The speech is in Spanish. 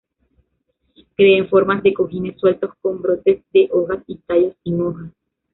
Crece en forma de cojines sueltos con brotes de hojas y tallos sin hojas.